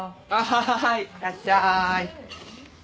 はいいらっしゃい。